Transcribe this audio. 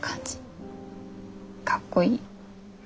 かっこいい。